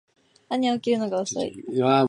兄は起きるのが遅い